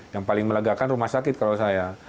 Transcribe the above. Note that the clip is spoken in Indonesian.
yang paling melegakan rumah sakit kalau saya